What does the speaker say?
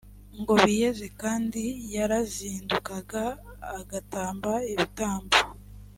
ngo biyeze c kandi yarazindukaga agatamba ibitambo